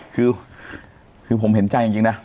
คือคือผมเห็นใจจริงจริงนะค่ะ